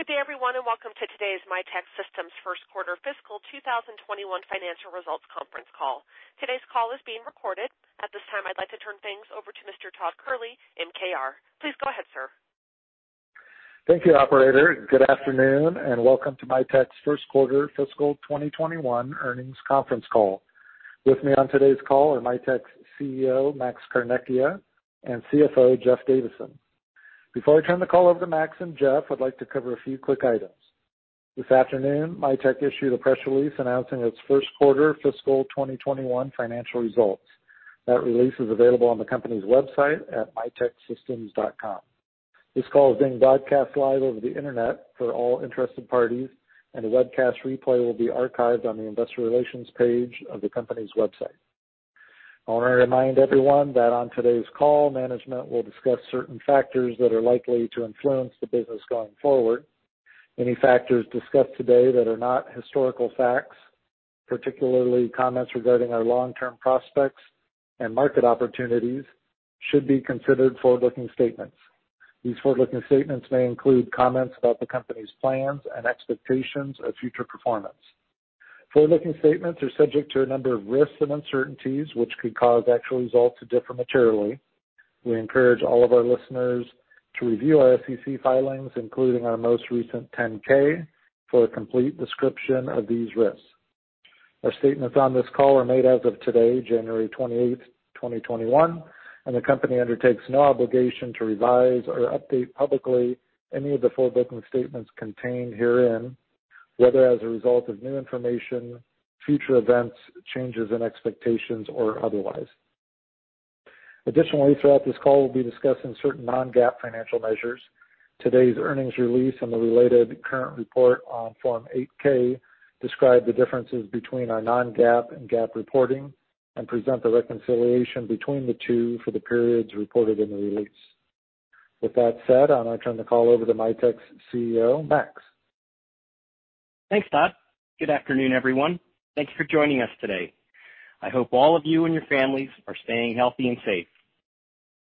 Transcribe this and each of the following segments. Good day everyone, welcome to today's Mitek Systems first quarter fiscal 2021 financial results conference call. Today's call is being recorded. At this time, I'd like to turn things over to Mr. Todd Kehrli, MKR. Please go ahead, sir. Thank you, operator. Good afternoon, and welcome to Mitek's first quarter fiscal 2021 earnings conference call. With me on today's call are Mitek's CEO, Max Carnecchia, and CFO, Jeff Davison. Before I turn the call over to Max and Jeff, I'd like to cover a few quick items. This afternoon, Mitek issued a press release announcing its first quarter fiscal 2021 financial results. That release is available on the company's website at miteksystems.com. This call is being broadcast live over the internet for all interested parties, and a webcast replay will be archived on the investor relations page of the company's website. I want to remind everyone that on today's call, management will discuss certain factors that are likely to influence the business going forward. Any factors discussed today that are not historical facts, particularly comments regarding our long-term prospects and market opportunities, should be considered forward-looking statements. These forward-looking statements may include comments about the company's plans and expectations of future performance. Forward-looking statements are subject to a number of risks and uncertainties, which could cause actual results to differ materially. We encourage all of our listeners to review our SEC filings, including our most recent 10-K for a complete description of these risks. Our statements on this call are made as of today, January 28th, 2021. The company undertakes no obligation to revise or update publicly any of the forward-looking statements contained herein, whether as a result of new information, future events, changes in expectations, or otherwise. Additionally, throughout this call, we'll be discussing certain non-GAAP financial measures. Today's earnings release and the related current report on form 8-K describe the differences between our non-GAAP and GAAP reporting and present the reconciliation between the two for the periods reported in the release. With that said, I now turn the call over to Mitek's CEO, Max. Thanks, Todd. Good afternoon, everyone. Thank you for joining us today. I hope all of you and your families are staying healthy and safe.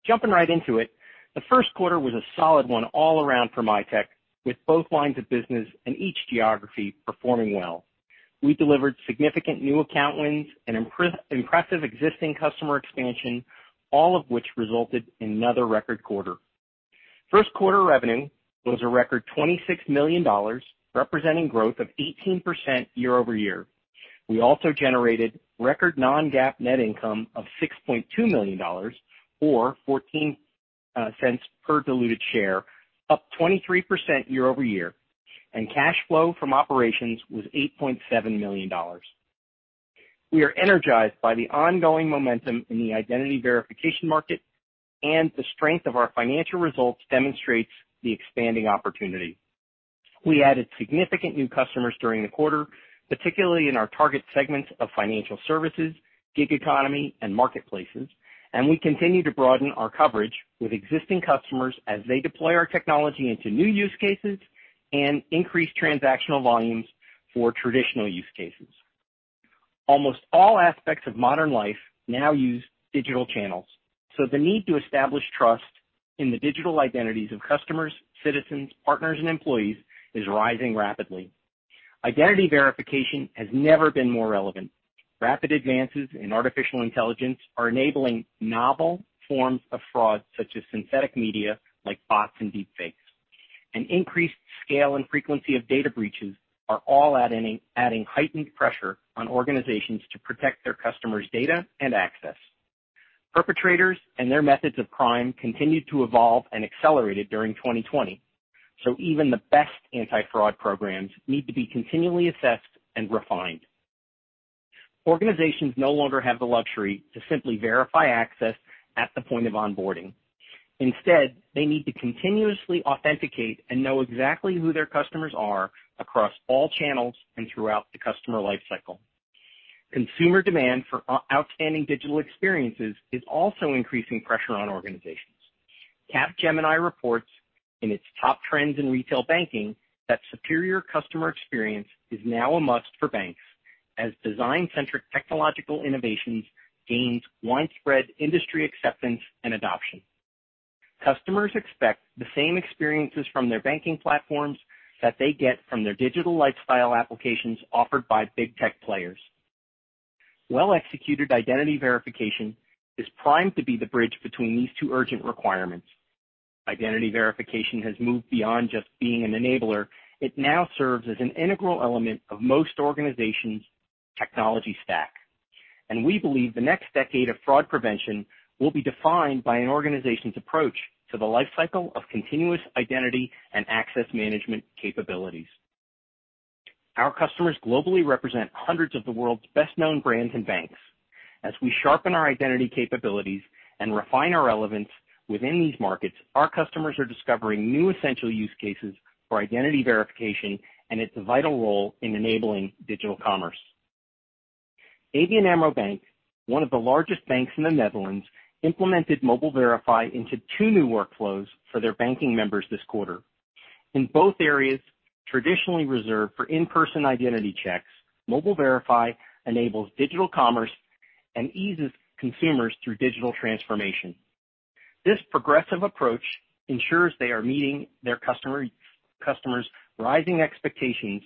Jumping right into it, the first quarter was a solid one all around for Mitek, with both lines of business and each geography performing well. We delivered significant new account wins and impressive existing customer expansion, all of which resulted in another record quarter. First quarter revenue was a record $26 million, representing growth of 18% year-over-year. We also generated record non-GAAP net income of $6.2 million, or $0.14 per diluted share, up 23% year-over-year, and cash flow from operations was $8.7 million. We are energized by the ongoing momentum in the identity verification market, and the strength of our financial results demonstrates the expanding opportunity. We added significant new customers during the quarter, particularly in our target segments of financial services, gig economy, and marketplaces, and we continue to broaden our coverage with existing customers as they deploy our technology into new use cases and increase transactional volumes for traditional use cases. Almost all aspects of modern life now use digital channels, so the need to establish trust in the digital identities of customers, citizens, partners, and employees is rising rapidly. Identity verification has never been more relevant. Rapid advances in artificial intelligence are enabling novel forms of fraud, such as synthetic media like bots and deep fakes. An increased scale and frequency of data breaches are all adding heightened pressure on organizations to protect their customers data and access. Perpetrators and their methods of crime continued to evolve and accelerated during 2020. Even the best anti-fraud programs need to be continually assessed and refined. Organizations no longer have the luxury to simply verify access at the point of onboarding. Instead, they need to continuously authenticate and know exactly who their customers are across all channels and throughout the customer life cycle. Consumer demand for outstanding digital experiences is also increasing pressure on organizations. Capgemini reports in its top trends in retail banking that superior customer experience is now a must for banks as design-centric technological innovations gains widespread industry acceptance and adoption. Customers expect the same experiences from their banking platforms that they get from their digital lifestyle applications offered by big tech players. Well-executed identity verification is primed to be the bridge between these two urgent requirements. Identity verification has moved beyond just being an enabler. It now serves as an integral element of most organizations' technology stack. We believe the next decade of fraud prevention will be defined by an organization's approach to the life cycle of continuous identity and access management capabilities. Our customers globally represent hundreds of the world's best-known brands and banks. As we sharpen our identity capabilities and refine our relevance within these markets, our customers are discovering new essential use cases for identity verification and its vital role in enabling digital commerce. ABN AMRO Bank, one of the largest banks in the Netherlands, implemented Mobile Verify into two new workflows for their banking members this quarter. In both areas traditionally reserved for in-person identity checks, Mobile Verify enables digital commerce and eases consumers through digital transformation. This progressive approach ensures they are meeting their customers rising expectations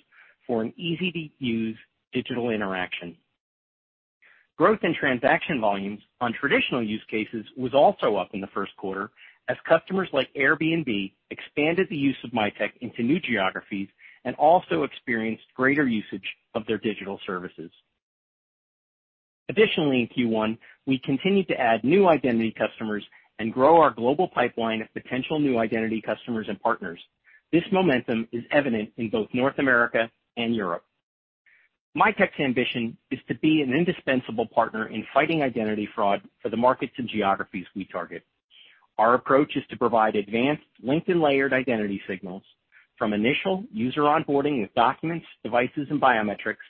for an easy-to-use digital interaction. Growth in transaction volumes on traditional use cases was also up in the first quarter, as customers like Airbnb expanded the use of Mitek into new geographies and also experienced greater usage of their digital services. Additionally, in Q1, we continued to add new identity customers and grow our global pipeline of potential new identity customers and partners. This momentum is evident in both North America and Europe. Mitek's ambition is to be an indispensable partner in fighting identity fraud for the markets and geographies we target. Our approach is to provide advanced linked and layered identity signals from initial user onboarding of documents, devices, and biometrics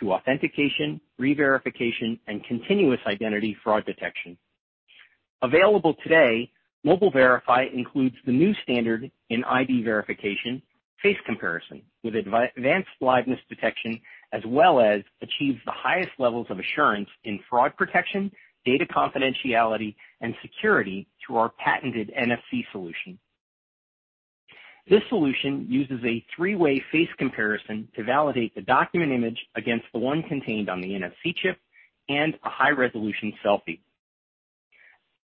to authentication, re-verification, and continuous identity fraud detection. Available today, Mobile Verify includes the new standard in ID verification, face comparison with advanced liveness detection, as well as achieves the highest levels of assurance in fraud protection, data confidentiality, and security through our patented NFC solution. This solution uses a three-way face comparison to validate the document image against the one contained on the NFC chip and a high-resolution selfie.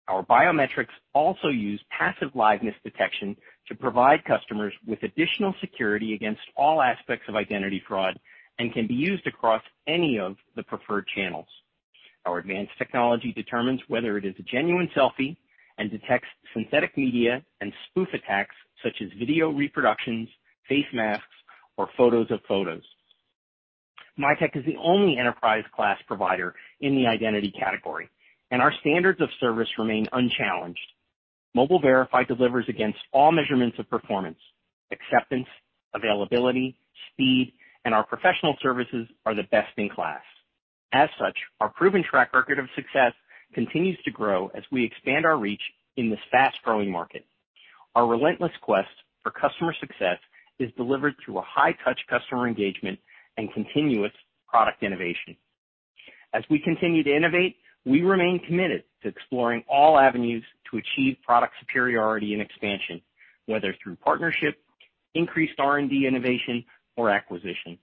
Our biometrics also use passive liveness detection to provide customers with additional security against all aspects of identity fraud and can be used across any of the preferred channels. Our advanced technology determines whether it is a genuine selfie and detects synthetic media and spoof attacks such as video reproductions, face masks, or photos of photos. Mitek is the only enterprise-class provider in the identity category, and our standards of service remain unchallenged. Mobile Verify delivers against all measurements of performance, acceptance, availability, speed. Our professional services are the best-in-class. As such, our proven track record of success continues to grow as we expand our reach in this fast-growing market. Our relentless quest for customer success is delivered through a high-touch customer engagement and continuous product innovation. As we continue to innovate, we remain committed to exploring all avenues to achieve product superiority and expansion, whether through partnership, increased R&D innovation, or acquisition.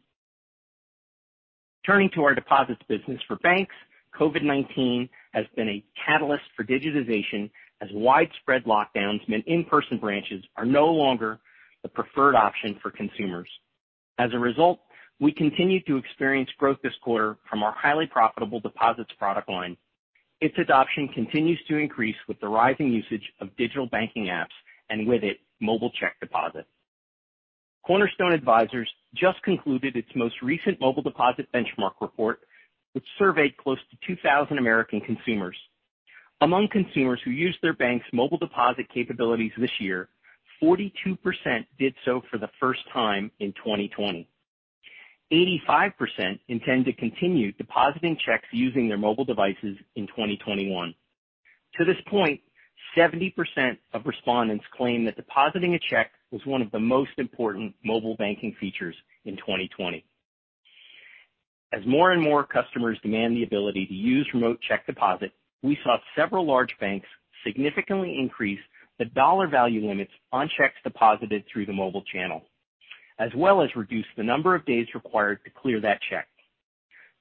Turning to our deposits business for banks, COVID-19 has been a catalyst for digitization as widespread lockdowns meant in-person branches are no longer the preferred option for consumers. As a result, we continue to experience growth this quarter from our highly profitable deposits product line. Its adoption continues to increase with the rising usage of digital banking apps. With it, mobile check deposits. Cornerstone Advisors just concluded its most recent Mobile Deposit benchmark report, which surveyed close to 2,000 American consumers. Among consumers who used their bank's Mobile Deposit capabilities this year, 42% did so for the first time in 2020. 85% intend to continue depositing checks using their mobile devices in 2021. To this point, 70% of respondents claim that depositing a check was one of the most important mobile banking features in 2020. As more and more customers demand the ability to use remote check deposit, we saw several large banks significantly increase the dollar value limits on checks deposited through the mobile channel, as well as reduce the number of days required to clear that check.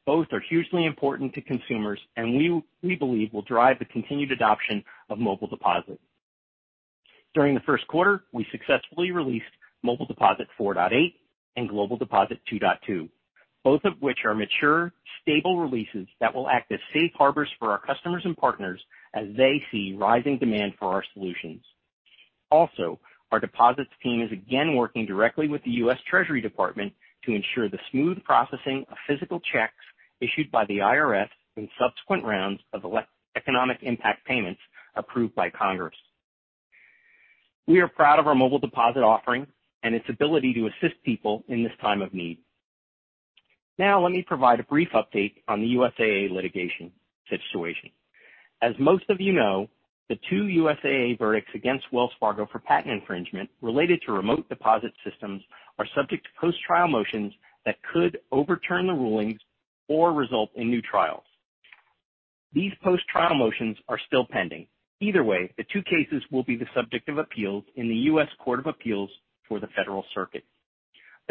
Both are hugely important to consumers and we believe will drive the continued adoption of Mobile Deposit. During the first quarter, we successfully released Mobile Deposit 4.8 and Global Deposit 2.2, both of which are mature, stable releases that will act as safe harbors for our customers and partners as they see rising demand for our solutions. Our deposits team is again working directly with the U.S. Treasury Department to ensure the smooth processing of physical checks issued by the IRS in subsequent rounds of economic impact payments approved by Congress. We are proud of our Mobile Deposit offering and its ability to assist people in this time of need. Let me provide a brief update on the USAA litigation situation. As most of you know, the two USAA verdicts against Wells Fargo for patent infringement related to remote deposit systems are subject to post-trial motions that could overturn the rulings or result in new trials. These post-trial motions are still pending. Either way, the two cases will be the subject of appeals in the U.S. Court of Appeals for the Federal Circuit.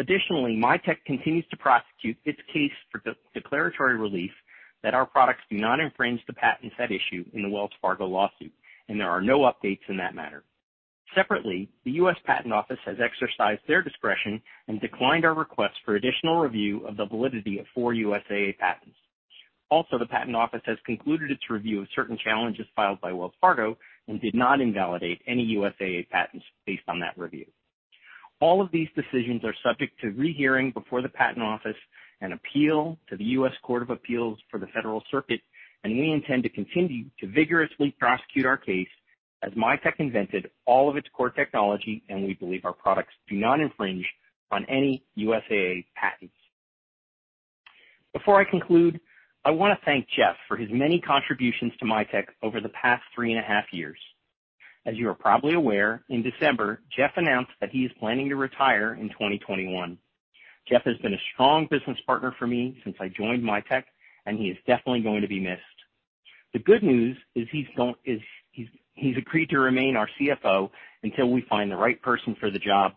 Additionally, Mitek continues to prosecute its case for declaratory relief that our products do not infringe the patents at issue in the Wells Fargo lawsuit, and there are no updates in that matter. Separately, the U.S. Patent Office has exercised their discretion and declined our request for additional review of the validity of four USAA patents. Also, the Patent Office has concluded its review of certain challenges filed by Wells Fargo and did not invalidate any USAA patents based on that review. All of these decisions are subject to rehearing before the US Patent Office and appeal to the U.S. Court of Appeals for the Federal Circuit, and we intend to continue to vigorously prosecute our case as Mitek invented all of its core technology, and we believe our products do not infringe on any USAA patents. Before I conclude, I want to thank Jeff for his many contributions to Mitek over the past three and a half years. As you are probably aware, in December, Jeff announced that he is planning to retire in 2021. Jeff has been a strong business partner for me since I joined Mitek, and he is definitely going to be missed. The good news is he's agreed to remain our CFO until we find the right person for the job.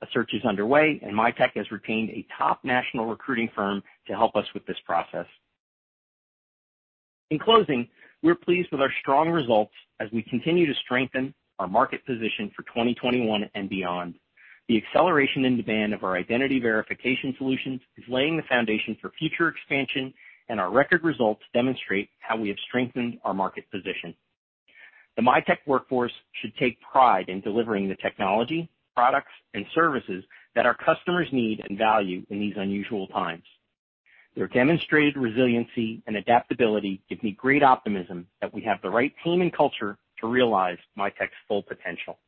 A search is underway, and Mitek has retained a top national recruiting firm to help us with this process. In closing, we're pleased with our strong results as we continue to strengthen our market position for 2021 and beyond. The acceleration in demand of our identity verification solutions is laying the foundation for future expansion, and our record results demonstrate how we have strengthened our market position. The Mitek workforce should take pride in delivering the technology, products, and services that our customers need and value in these unusual times. Their demonstrated resiliency and adaptability give me great optimism that we have the right team and culture to realize Mitek's full potential.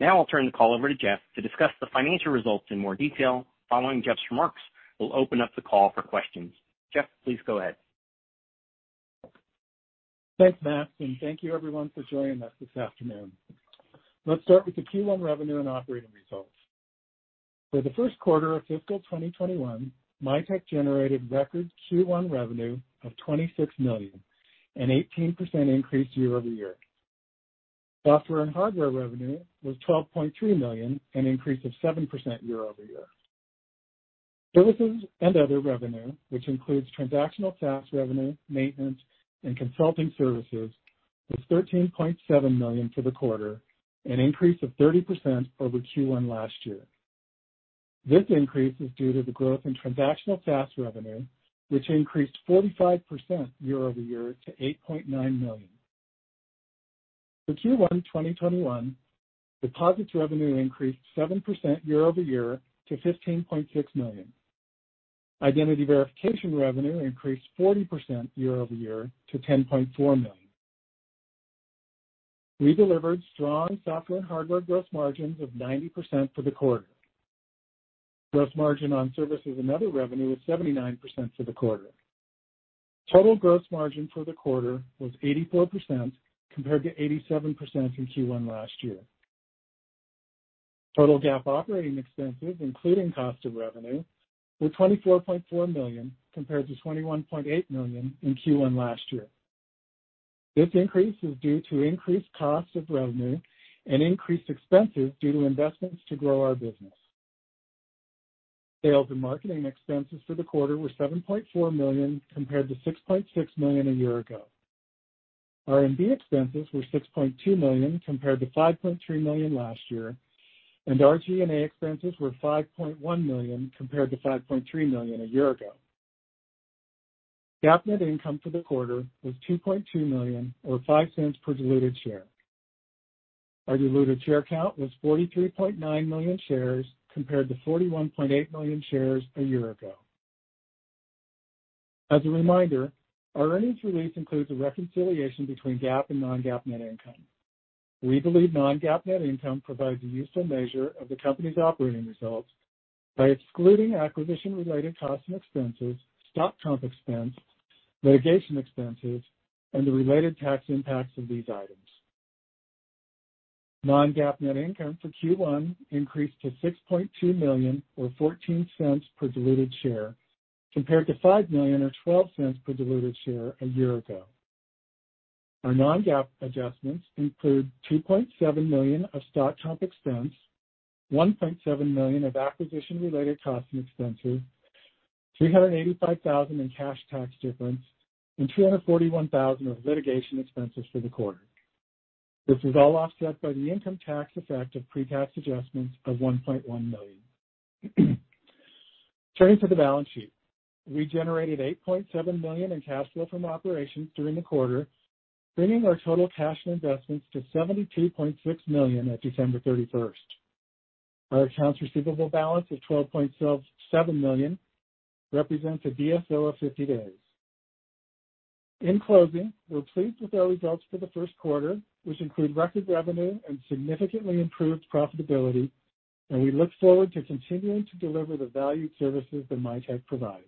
Now I'll turn the call over to Jeff to discuss the financial results in more detail. Following Jeff's remarks, we'll open up the call for questions. Jeff, please go ahead. Thanks, Max, thank you everyone for joining us this afternoon. Let's start with the Q1 revenue and operating results. For the first quarter of fiscal 2021, Mitek generated record Q1 revenue of $26 million, an 18% increase year-over-year. Software and hardware revenue was $12.3 million, an increase of 7% year-over-year. Services and other revenue, which includes transactional SaaS revenue, maintenance, and consulting services, was $13.7 million for the quarter, an increase of 30% over Q1 last year. This increase is due to the growth in transactional SaaS revenue, which increased 45% year-over-year to $8.9 million. For Q1 2021, deposits revenue increased 7% year-over-year to $15.6 million. Identity verification revenue increased 40% year-over-year to $10.4 million. We delivered strong software and hardware gross margins of 90% for the quarter. Gross margin on services and other revenue was 79% for the quarter. Total gross margin for the quarter was 84% compared to 87% in Q1 last year. Total GAAP operating expenses, including cost of revenue, were $24.4 million compared to $21.8 million in Q1 last year. This increase is due to increased costs of revenue and increased expenses due to investments to grow our business. Sales and marketing expenses for the quarter were $7.4 million compared to $6.6 million a year ago. R&D expenses were $6.2 million compared to $5.3 million last year, and our G&A expenses were $5.1 million compared to $5.3 million a year ago. GAAP net income for the quarter was $2.2 million or $0.05 per diluted share. Our diluted share count was 43.9 million shares compared to 41.8 million shares a year ago. As a reminder, our earnings release includes a reconciliation between GAAP and non-GAAP net income. We believe non-GAAP net income provides a useful measure of the company's operating results by excluding acquisition-related costs and expenses, stock comp expense, litigation expenses, and the related tax impacts of these items. Non-GAAP net income for Q1 increased to $6.2 million or $0.14 per diluted share compared to $5 million or $0.12 per diluted share a year ago. Our non-GAAP adjustments include $2.7 million of stock comp expense, $1.7 million of acquisition-related costs and expenses, $385,000 in cash tax difference, and $341,000 of litigation expenses for the quarter. This was all offset by the income tax effect of pre-tax adjustments of $1.1 million. Turning to the balance sheet. We generated $8.7 million in cash flow from operations during the quarter, bringing our total cash and investments to $72.6 million at December 31st. Our accounts receivable balance of $12.7 million represents a DSO of 50 days. In closing, we're pleased with our results for the first quarter, which include record revenue and significantly improved profitability. We look forward to continuing to deliver the valued services that Mitek provides.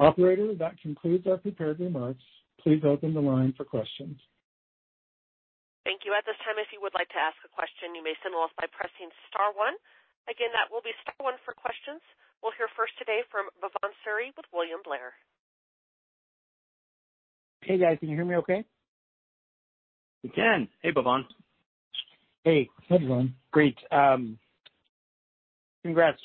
Operator, that concludes our prepared remarks. Please open the line for questions. Thank you. At this time, if you would like to ask a question, you may signal us by pressing star one. Again, that will be star one for questions. We'll hear first today from Bhavan Suri with William Blair. Hey, guys. Can you hear me okay? We can. Hey, Bhavan. Hey. Good, Bhavan. Great. Congrats,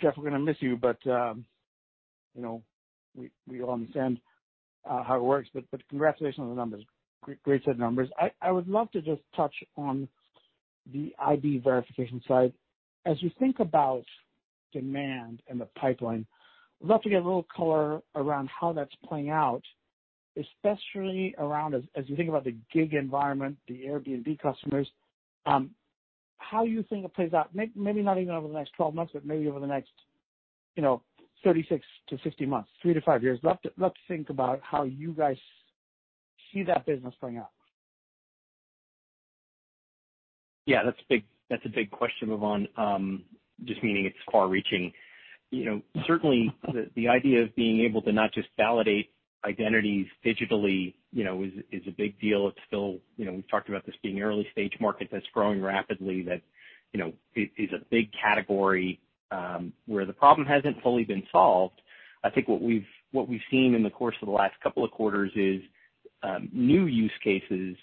Jeff. We're going to miss you. We all understand how it works. Congratulations on the numbers. Great set of numbers. I would love to just touch on the ID verification side. As you think about demand and the pipeline, I'd love to get a little color around how that's playing out, especially around as you think about the gig environment, the Airbnb customers, how you think it plays out, maybe not even over the next 12 months. Maybe over the next 36 to 60 months, three to five years. Love to think about how you guys see that business playing out. Yeah, that's a big question, Bhavan. Just meaning it's far-reaching. Certainly, the idea of being able to not just validate identities digitally is a big deal. We've talked about this being an early-stage market that's growing rapidly that is a big category where the problem hasn't fully been solved. I think what we've seen in the course of the last couple of quarters is new use cases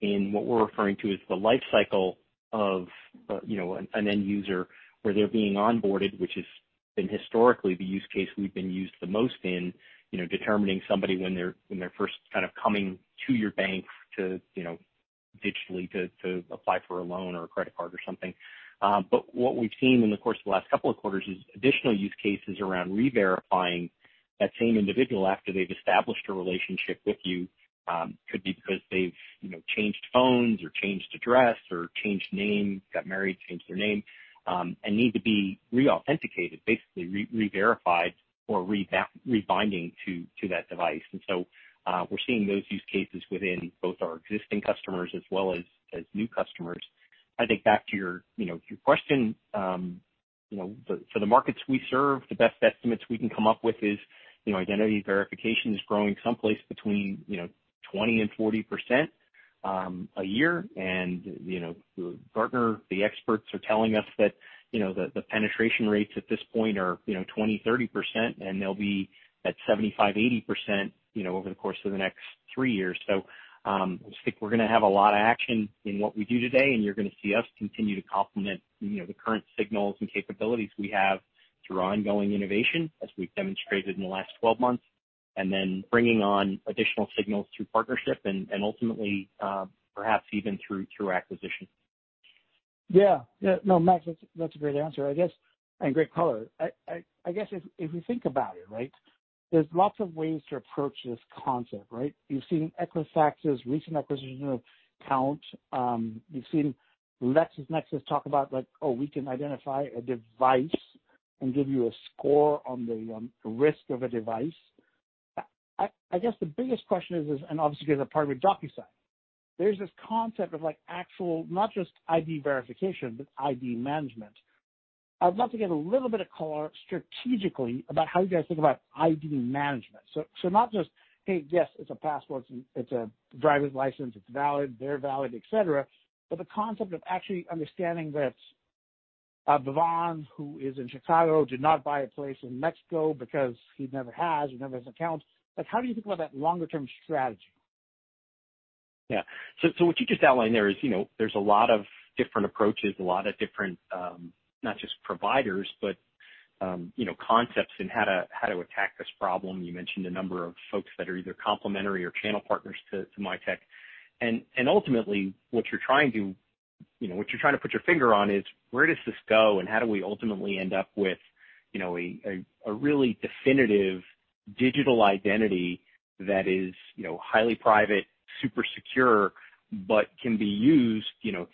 in what we're referring to as the life cycle of an end user where they're being onboarded, which has been historically the use case we've been used the most in determining somebody when they're first coming to your bank digitally to apply for a loan or a credit card or something. What we've seen in the course of the last couple of quarters is additional use cases around re-verifying that same individual after they've established a relationship with you. Could be because they've changed phones or changed address or changed name, got married, changed their name, and need to be re-authenticated, basically re-verified or rebinding to that device. We're seeing those use cases within both our existing customers as well as new customers. I think back to your question, for the markets we serve, the best estimates we can come up with is identity verification is growing someplace between 20% and 40% a year. Gartner, the experts are telling us that the penetration rates at this point are 20%, 30%, and they'll be at 75%, 80% over the course of the next three years. I think we're going to have a lot of action in what we do today, and you're going to see us continue to complement the current signals and capabilities we have through ongoing innovation as we've demonstrated in the last 12 months, and then bringing on additional signals through partnership and ultimately, perhaps even through acquisition. No, Max, that's a great answer, I guess, and great color. I guess if we think about it, right? There's lots of ways to approach this concept, right? You've seen Equifax's recent acquisition of Kount. You've seen LexisNexis talk about like, we can identify a device and give you a score on the risk of a device. I guess the biggest question is, and obviously because they're part of DocuSign, there's this concept of actual not just ID verification, but ID management. I'd love to get a little bit of color strategically about how you guys think about ID management. Not just, hey, yes, it's a passport, it's a driver's license, it's valid, they're valid, et cetera, but the concept of actually understanding that Bhavan, who is in Chicago, did not buy a place in Mexico because he never has or never has accounts. How do you think about that longer-term strategy? Yeah. What you just outlined there is there's a lot of different approaches, a lot of different not just providers, but concepts in how to attack this problem. You mentioned a number of folks that are either complementary or channel partners to Mitek. Ultimately, what you're trying to put your finger on is where does this go and how do we ultimately end up with a really definitive digital identity that is highly private, super secure, but can be used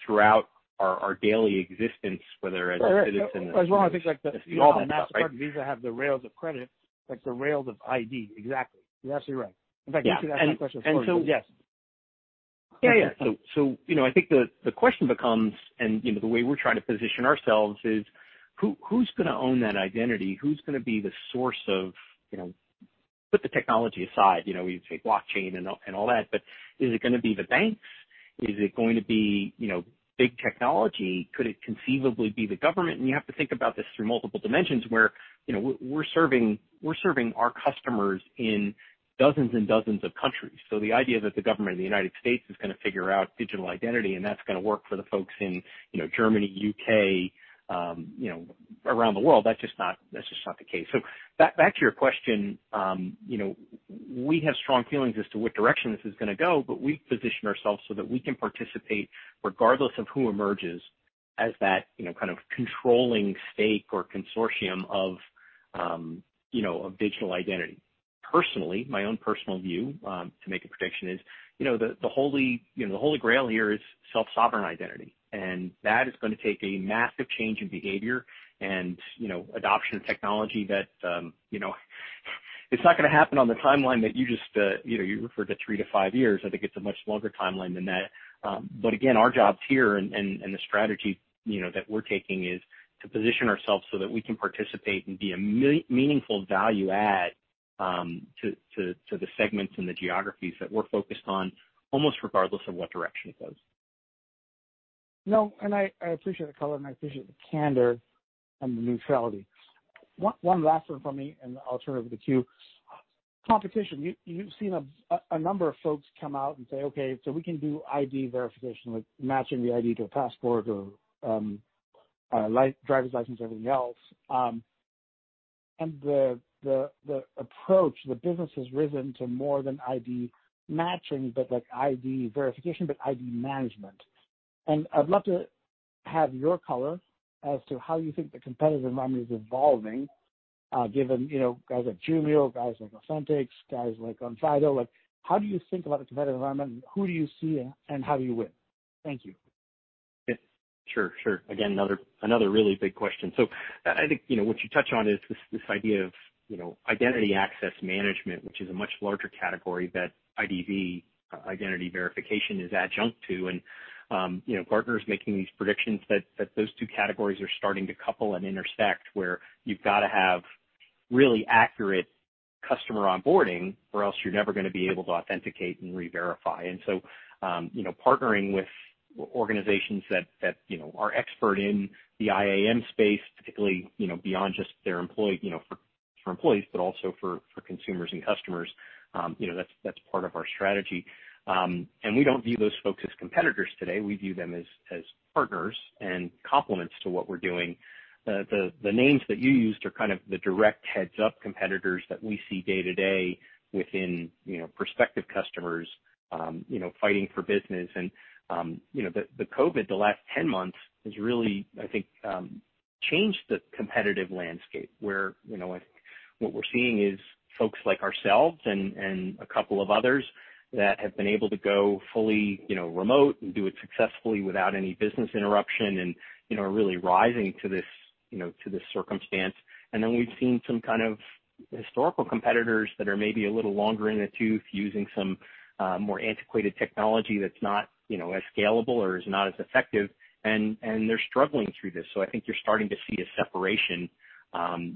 throughout our daily existence, whether as a citizen- As well, I think like. It's all about that, right? Mastercard, Visa have the rails of credit, like the rails of ID. Exactly. You're absolutely right. In fact, that's exactly the question I had for you. Yes. Yeah. I think the question becomes, and the way we're trying to position ourselves is, who's going to own that identity? Who's going to be the source of "Put the technology aside", you take blockchain and all that, but is it going to be the banks? Is it going to be big technology? Could it conceivably be the government? You have to think about this through multiple dimensions where we're serving our customers in dozens and dozens of countries. The idea that the government of the United States is going to figure out digital identity and that's going to work for the folks in Germany, U.K., around the world, that's just not the case. Back to your question. We have strong feelings as to what direction this is going to go, but we position ourselves so that we can participate regardless of who emerges as that kind of controlling stake or consortium of digital identity. Personally, my own personal view to make a prediction is the holy grail here is self-sovereign identity. That is going to take a massive change in behavior and adoption of technology that it's not going to happen on the timeline that you just referred to, three to five years. I think it's a much longer timeline than that. Again, our jobs here and the strategy that we're taking is to position ourselves so that we can participate and be a meaningful value add to the segments and the geographies that we're focused on, almost regardless of what direction it goes. No, I appreciate the color, I appreciate the candor and the neutrality. One last one from me, and I'll turn it over to queue. Competition. You've seen a number of folks come out and say, "Okay, so we can do ID verification, like matching the ID to a passport or driver's license, everything else." The approach, the business has risen to more than ID matching, but like ID verification, ID management. I'd love to have your color as to how you think the competitive environment is evolving given guys like Jumio, guys like AU10TIX, guys like Onfido. How do you think about the competitive environment, and who do you see and how do you win? Thank you. Sure. Again, another really big question. I think what you touch on is this idea of identity access management, which is a much larger category that IDV, identity verification, is adjunct to. Gartner is making these predictions that those two categories are starting to couple and intersect where you've got to have really accurate customer onboarding or else you're never going to be able to authenticate and re-verify. Partnering with organizations that are expert in the IAM space, typically, beyond just for employees but also for consumers and customers, that's part of our strategy. We don't view those folks as competitors today. We view them as partners and complements to what we're doing. The names that you used are kind of the direct heads-up competitors that we see day to day within prospective customers fighting for business. The COVID, the last 10 months, has really, I think, changed the competitive landscape where I think what we're seeing is folks like ourselves and a couple of others that have been able to go fully remote and do it successfully without any business interruption and are really rising to this circumstance. We've seen some kind of historical competitors that are maybe a little longer in the tooth using some more antiquated technology that's not as scalable or is not as effective, and they're struggling through this. I think you're starting to see a separation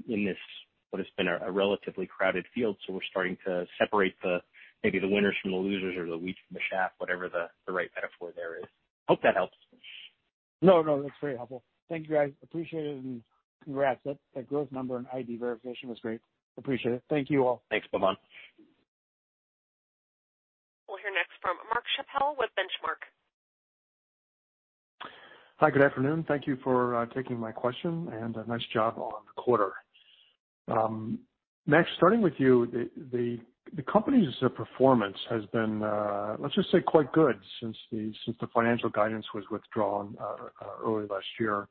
in this, what has been a relatively crowded field. We're starting to separate maybe the winners from the losers or the wheat from the chaff, whatever the right metaphor there is. Hope that helps. No, that's very helpful. Thank you, guys. Appreciate it and congrats. That growth number in ID verification was great. Appreciate it. Thank you all. Thanks, Bhavan. We'll hear next from Mark Schappel with Benchmark. Hi, good afternoon. Thank you for taking my question, and nice job on the quarter. Max, starting with you, the company's performance has been, let's just say, quite good since the financial guidance was withdrawn early last year.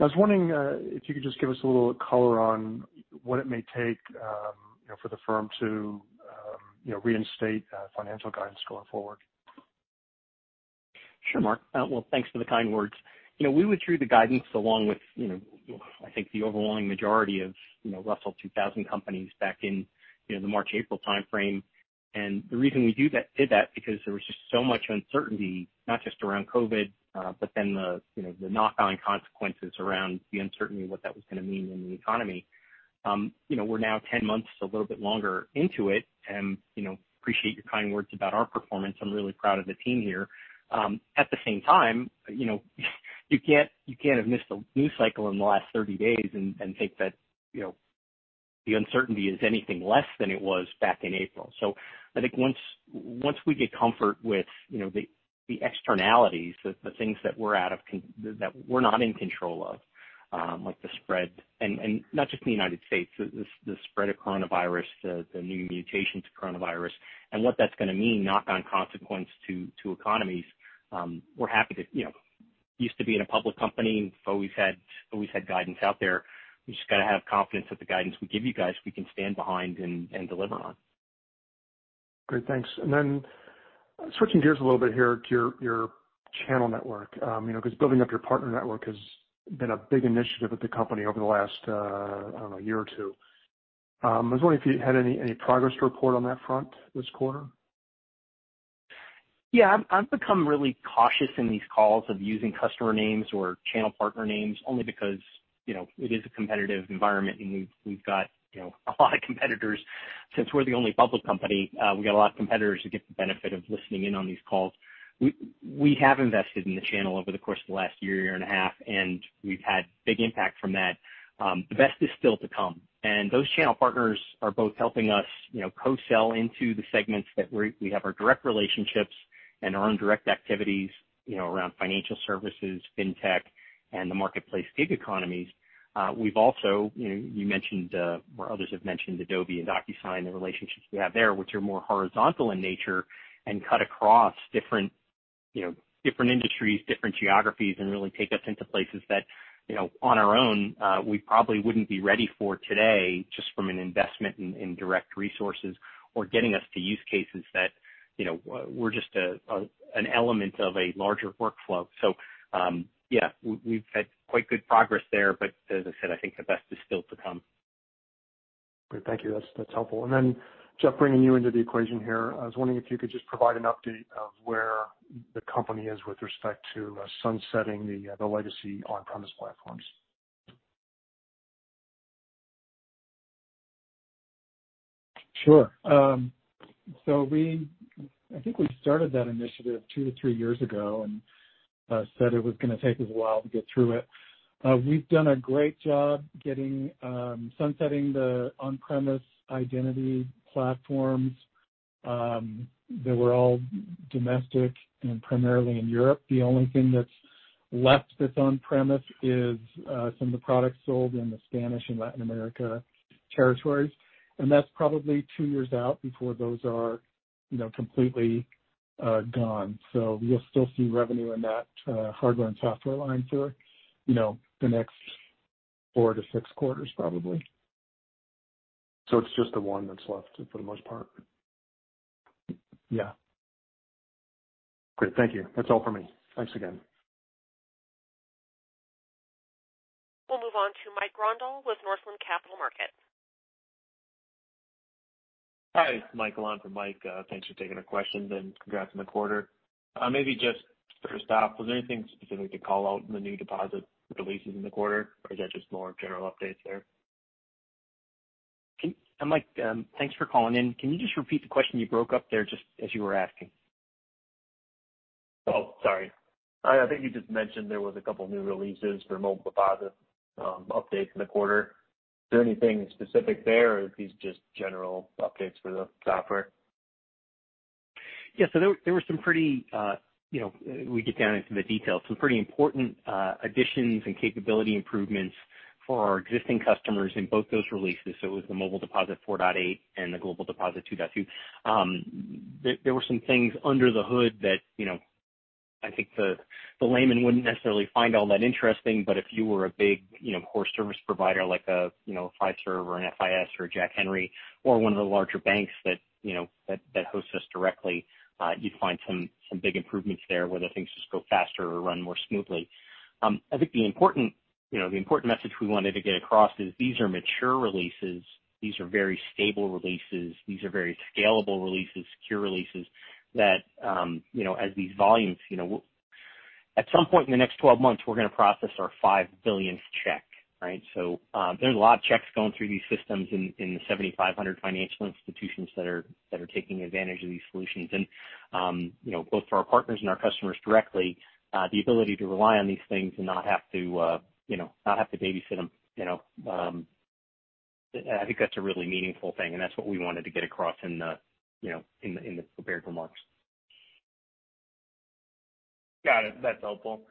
I was wondering if you could just give us a little color on what it may take for the firm to reinstate financial guidance going forward. Sure, Mark. Well, thanks for the kind words. We withdrew the guidance along with I think the overwhelming majority of Russell 2000 companies back in the March, April timeframe. The reason we did that, because there was just so much uncertainty, not just around COVID, but then the knock-on consequences around the uncertainty of what that was going to mean in the economy. We're now 10 months, a little bit longer into it, and appreciate your kind words about our performance. I'm really proud of the team here. At the same time, you can't have missed a news cycle in the last 30 days and think that the uncertainty is anything less than it was back in April. I think once we get comfort with the externalities, the things that we're not in control of like the spread, and not just in the U.S., the spread of coronavirus, the new mutations of coronavirus, and what that's going to mean knock-on consequence to economies. Used to be in a public company, and so we've always had guidance out there. We've just got to have confidence that the guidance we give you guys, we can stand behind and deliver on. Great. Thanks. Switching gears a little bit here to your channel network because building up your partner network has been a big initiative at the company over the last, I don't know, year or two. I was wondering if you had any progress to report on that front this quarter. Yeah. I've become really cautious in these calls of using customer names or channel partner names only because it is a competitive environment, and we've got a lot of competitors. Since we're the only public company, we got a lot of competitors who get the benefit of listening in on these calls. We have invested in the channel over the course of the last year and a half, and we've had big impact from that. The best is still to come, and those channel partners are both helping us co-sell into the segments that we have our direct relationships and our own direct activities around financial services, fintech, and the marketplace gig economies. You mentioned, or others have mentioned Adobe and DocuSign, the relationships we have there, which are more horizontal in nature and cut across different industries, different geographies, and really take us into places that, on our own, we probably wouldn't be ready for today, just from an investment in direct resources or getting us to use cases that we're just an element of a larger workflow. Yeah, we've had quite good progress there. As I said, I think the best is still to come. Great. Thank you. That's helpful. Jeff, bringing you into the equation here. I was wondering if you could just provide an update of where the company is with respect to sunsetting the legacy on-premise platforms. Sure. I think we started that initiative two to three years ago and said it was going to take us a while to get through it. We've done a great job sunsetting the on-premise identity platforms that were all domestic and primarily in Europe. The only thing that's left that's on-premise is some of the products sold in the Spain and Latin America territories, and that's probably two years out before those are completely gone. You'll still see revenue in that hardware and software line for the next four to six quarters, probably. It's just the one that's left for the most part? Yeah. Great. Thank you. That's all for me. Thanks again. We'll move on to Mike Grondahl with Northland Capital Markets. Hi, it's Mike, from Northland Capital Markets. Thanks for taking our questions, and congrats on the quarter. Maybe just first off, was there anything specific to call out in the new deposit releases in the quarter, or is that just more general updates there? Mike, thanks for calling in. Can you just repeat the question you broke up there, just as you were asking? Oh, sorry. I think you just mentioned there was a couple of new releases for Mobile Deposit updates in the quarter. Is there anything specific there, or are these just general updates for the software? Yeah. There were some pretty important additions and capability improvements for our existing customers in both those releases. It was the Mobile Deposit 4.8 and the Global Deposit 2.2. There were some things under the hood that I think the layman wouldn't necessarily find all that interesting, but if you were a big core service provider like a Fiserv or an FIS or a Jack Henry or one of the larger banks that hosts us directly you'd find some big improvements there where the things just go faster or run more smoothly. I think the important message we wanted to get across is these are mature releases. These are very stable releases. These are very scalable releases, secure releases that at some point in the next 12 months, we're going to process our five billionth check, right? There's a lot of checks going through these systems in the 7,500 financial institutions that are taking advantage of these solutions. Both for our partners and our customers directly, the ability to rely on these things and not have to babysit them, I think that's a really meaningful thing, and that's what we wanted to get across in the prepared remarks. Got it. That's helpful.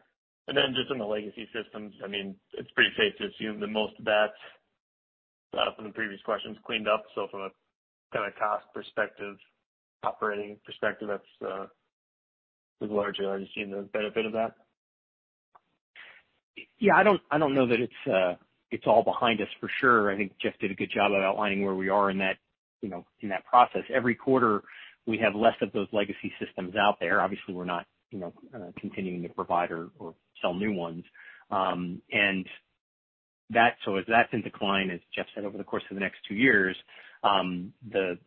Just in the legacy systems, it's pretty safe to assume that most of that from the previous questions cleaned up. From a kind of cost perspective, operating perspective, that's largely seen the benefit of that. Yeah, I don't know that it's all behind us for sure. I think Jeff did a good job of outlining where we are in that process. Every quarter, we have less of those legacy systems out there. Obviously, we're not continuing to provide or sell new ones. As that's in decline, as Jeff said, over the course of the next two years, the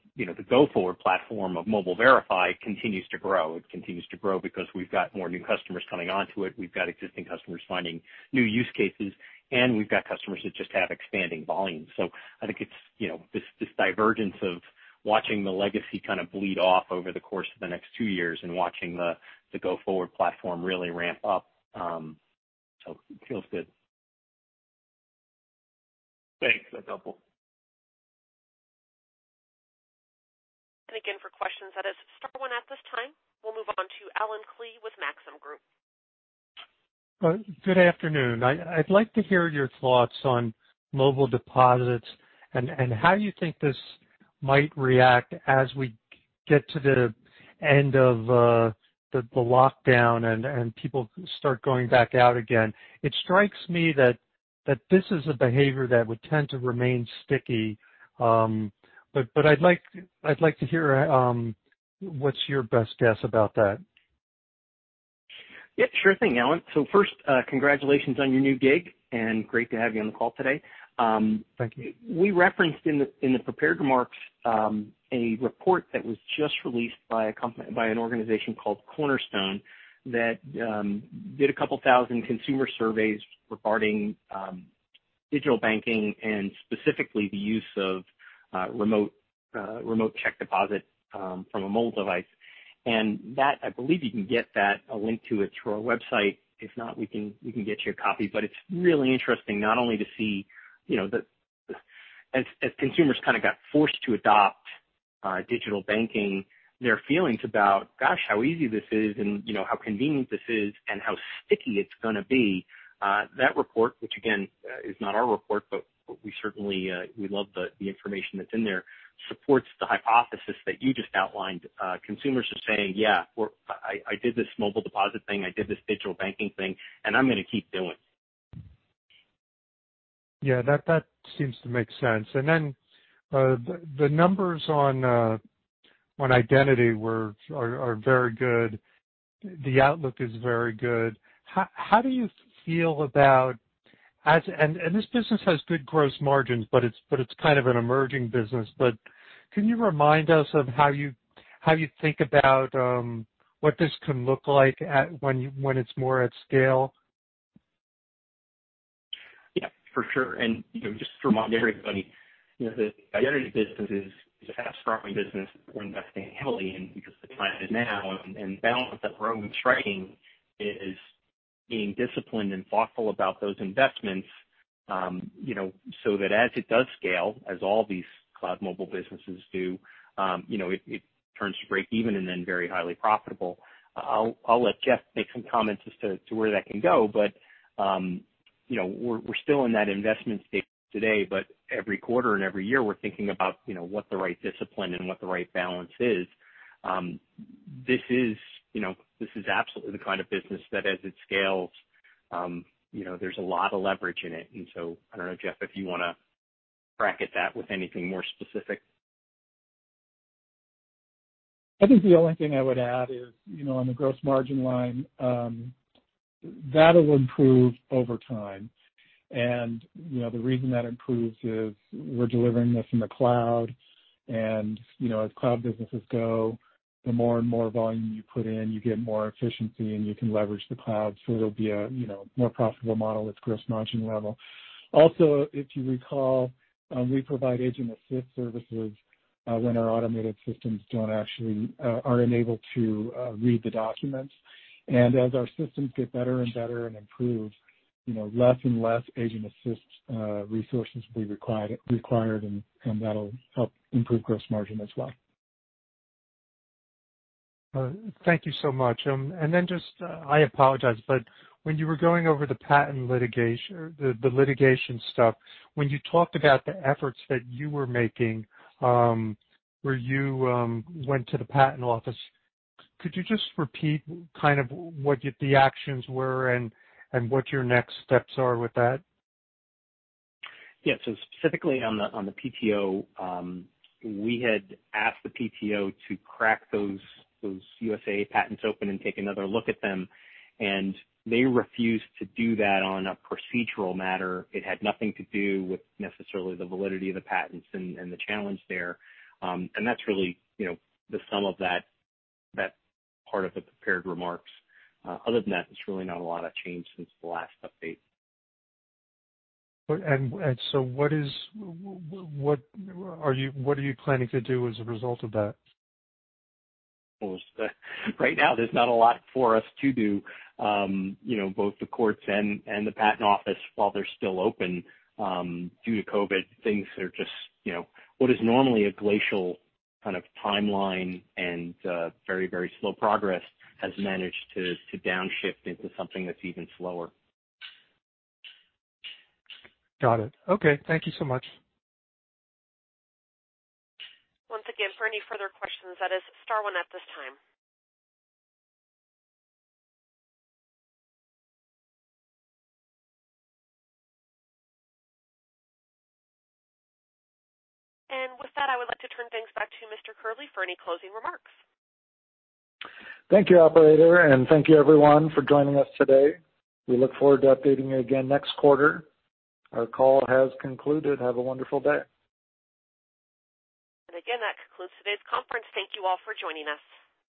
go-forward platform of Mobile Verify continues to grow. It continues to grow because we've got more new customers coming onto it, we've got existing customers finding new use cases, and we've got customers that just have expanding volumes. I think it's this divergence of watching the legacy kind of bleed off over the course of the next two years and watching the go-forward platform really ramp up. It feels good. Thanks. That's helpful. Again, for questions, that is star one at this time. We’ll move on to Allen Klee with Maxim Group. Good afternoon. I'd like to hear your thoughts on Mobile Deposit and how you think this might react as we get to the end of the lockdown and people start going back out again. It strikes me that this is a behavior that would tend to remain sticky. I'd like to hear what's your best guess about that. Yeah, sure thing, Allen. First, congratulations on your new gig, and great to have you on the call today. Thank you. We referenced in the prepared remarks a report that was just released by an organization called Cornerstone that did a couple of thousand consumer surveys regarding digital banking and specifically the use of remote check deposit from a mobile device. That, I believe you can get that, a link to it through our website. If not, we can get you a copy. It's really interesting not only to see as consumers kind of got forced to adopt digital banking, their feelings about, gosh, how easy this is and how convenient this is and how sticky it's going to be. That report, which again, is not our report, but we certainly love the information that's in there, supports the hypothesis that you just outlined. Consumers are saying, "Yeah, I did this Mobile Deposit thing, I did this digital banking thing, and I'm going to keep doing it. Yeah, that seems to make sense. The numbers on identity are very good. The outlook is very good. This business has good gross margins, but it's kind of an emerging business, but can you remind us of how you think about what this can look like when it's more at scale? Yeah, for sure. Just to remind everybody, the Identity business is a fast-growing business we're investing heavily in because the client is now and balance that growth and threading is being disciplined and thoughtful about those investments so that as it does scale, as all these cloud mobile businesses do, it turns to break even and then very highly profitable. I'll let Jeff make some comments as to where that can go. We're still in that investment stage today, but every quarter and every year, we're thinking about what the right discipline and what the right balance is. This is absolutely the kind of business that as it scales there's a lot of leverage in it. I don't know, Jeff, if you want to bracket that with anything more specific. I think the only thing I would add is, on the gross margin line, that'll improve over time. The reason that improves is we're delivering this in the cloud, and as cloud businesses go, the more and more volume you put in, you get more efficiency, and you can leverage the cloud. It'll be a more profitable model at the gross margin level. Also, if you recall, we provide agent assist services when our automated systems are unable to read the documents. As our systems get better and better and improve, less and less agent assist resources will be required, and that'll help improve gross margin as well. Thank you so much. Just, I apologize, but when you were going over the litigation stuff, when you talked about the efforts that you were making where you went to the Patent Office, could you just repeat what the actions were and what your next steps are with that? Yeah. Specifically on the PTO, we had asked the PTO to crack those USAA patents open and take another look at them, and they refused to do that on a procedural matter. It had nothing to do with necessarily the validity of the patents and the challenge there. That's really the sum of that part of the prepared remarks. Other than that, there's really not a lot of change since the last update. What are you planning to do as a result of that? Right now, there's not a lot for us to do. Both the courts and the Patent Office, while they're still open due to COVID, what is normally a glacial kind of timeline and very, very slow progress has managed to downshift into something that's even slower. Got it. Okay. Thank you so much. Once again, for any further questions, that is star one at this time. With that, I would like to turn things back to Mr. Kehrli for any closing remarks. Thank you, operator, thank you everyone for joining us today. We look forward to updating you again next quarter. Our call has concluded. Have a wonderful day. Again, that concludes today's conference. Thank you all for joining us.